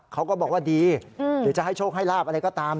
เขาก็บอกว่าดีหรือจะให้โชคให้ลาบอะไรก็ตาม